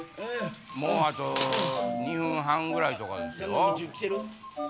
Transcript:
もうあと２分半ぐらいとかですよ。